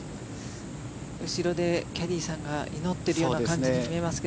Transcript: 後ろでキャディーさんが祈ってるような感じに見えますが。